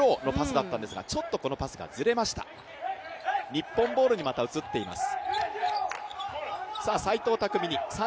日本ボールにまた移っています。